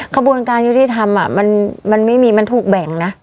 ขบวนการยุธิธรรมอ่ะมันมันไม่มีมันถูกแบ่งน่ะ